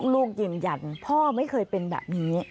ลูกยืนยันพ่อไม่เคยเป็นแบบนี้